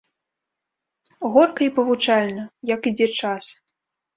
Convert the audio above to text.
Горка і павучальна, як ідзе час.